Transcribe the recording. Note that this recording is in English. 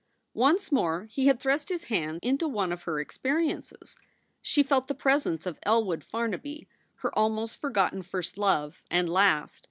Once more he had thrust his hand into one of her experi ences. She felt the presence of Elwood Farnaby, her almost forgotten first love, and last.